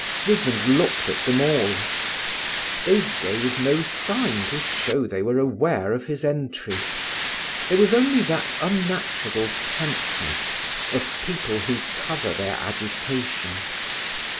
Siegmund looked at them all. They gave no sign to show they were aware of his entry; there was only that unnatural tenseness of people who cover their agitation.